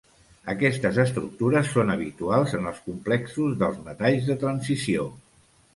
Aquestes estructures són habituals en els complexos dels metalls de transició.